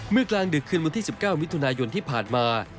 กลางดึกคืนวันที่๑๙มิถุนายนที่ผ่านมา